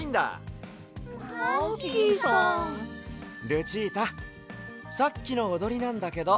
ルチータさっきのおどりなんだけど。